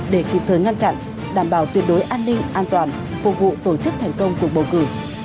để kịp thời ngăn chặn đảm bảo tuyệt đối an ninh an toàn phục vụ tổ chức thành công cuộc bầu cử